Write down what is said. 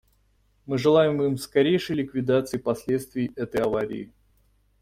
Мы желаем им скорейшей ликвидации последствий этой аварии.